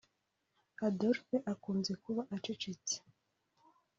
Adolphe akunze kuba acecetse